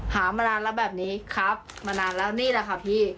มานานแล้วแบบนี้ครับมานานแล้วนี่แหละค่ะพี่